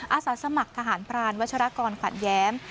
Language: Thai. อาสาสมัครทหารพรานวัชรกรขวัญแย้ม